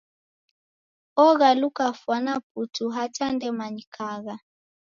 Oghaluka fwana putu hata ndemanyikagha.